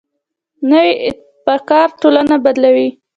نوی ابتکار ټولنه بدلوي